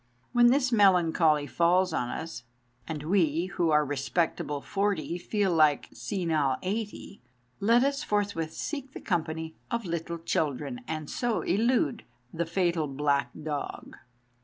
When this melancholy falls on us, and we who are respectable forty feel like senile eighty, let us forthwith seek the company of little children, and so elude the fatal black dog.